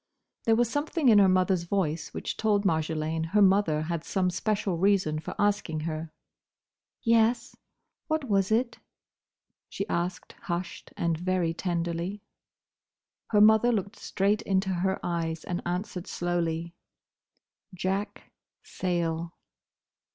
There was something in her mother's voice which told Marjolaine her mother had some special reason for asking her. "Yes; what was it?" she asked, hushed, and very tenderly. Her mother looked straight into her eyes and answered slowly, "Jack—Sayle."